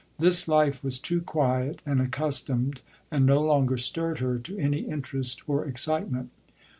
This life was too quiet and accustomed and no longer stirred her to any interest or excitement.